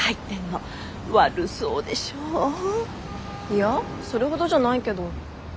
いやそれほどじゃないけど。